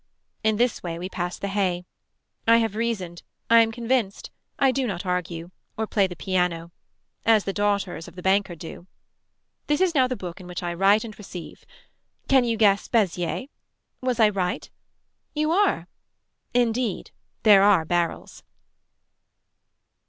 In this way we pass the hay. I have reasoned. I am convinced. I do not argue. Or play the piano. As the daughters of the banker do. This is now the book in which I write and receive. Can you guess Beziers. Was I right. You are. Indeed there are barrels.